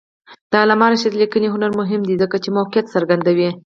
د علامه رشاد لیکنی هنر مهم دی ځکه چې موقعیت څرګندوي.